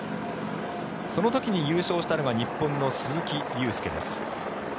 その時に優勝したのが日本の鈴木雄介です。